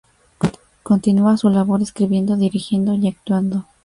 Continúa su labor escribiendo, dirigiendo y actuando.